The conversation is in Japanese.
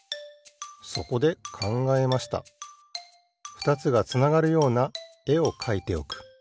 ふたつがつながるようなえをかいておく。